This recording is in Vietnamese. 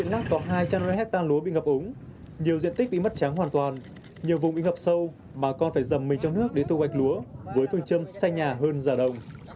lập sâu bà con phải dầm mình trong nước để thu hoạch lúa với phương châm xanh nhà hơn già đồng